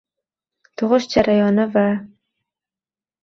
tug‘ish jarayoni va